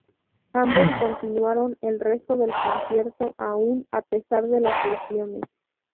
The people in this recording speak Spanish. Ambos continuaron el resto del concierto aún a pesar de las lesiones.